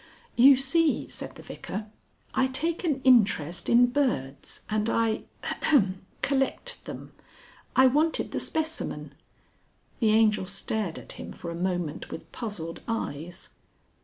_" "You see," said the Vicar, "I take an interest in birds, and I (ahem) collect them. I wanted the specimen " The Angel stared at him for a moment with puzzled eyes.